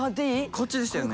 こっちでしたよね。